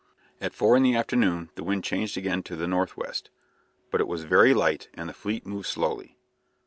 At four in the afternoon the wind changed again to the north west, but it was very light and the fleet moved slowly.